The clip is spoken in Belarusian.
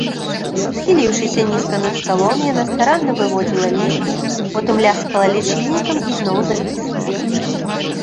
Схіліўшыся нізка над сталом, яна старанна выводзіла лічбы, потым ляскала лічыльнікам і зноў запісвала.